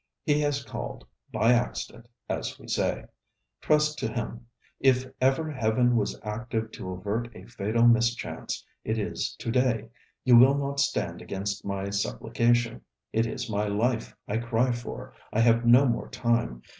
He has called, by accident, as we say. Trust to him. If ever heaven was active to avert a fatal mischance it is to day. You will not stand against my supplication. It is my life I cry for. I have no more time.